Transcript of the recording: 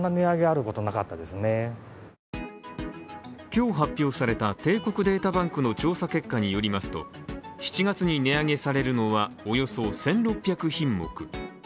今日、発表された帝国データバンクの調査結果によりますと７月に値上げされるのはおよそ１６００品目。